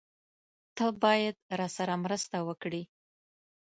تۀ باید راسره مرسته وکړې!